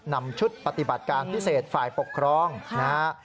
นำชุดปฏิบัติการพิเศษฝ่ายปกครองนะฮะ